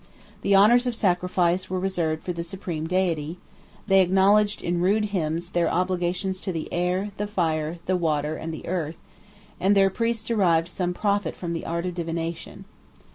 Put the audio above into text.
The honors of sacrifice were reserved for the supreme deity; they acknowledged, in rude hymns, their obligations to the air, the fire, the water, and the earth; and their priests derived some profit from the art of divination.